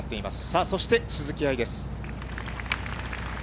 さあそして、鈴木愛です。